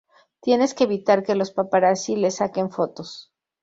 Tienes que evitar que los paparazzi le saquen fotos.